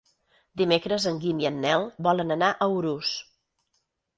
Dimecres en Guim i en Nel volen anar a Urús.